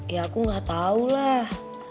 ya aku gak tau lah